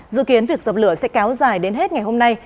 dự kiến việc dập lửa sẽ kéo dài đến hết ngày hôm nay